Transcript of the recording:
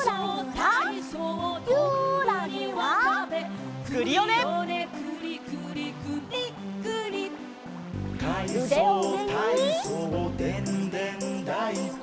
「かいそうたいそうでんでんだいこ」